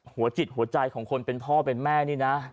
หัวจิตหัวใจของคนเป็นพ่อเป็นแม่นี่นะ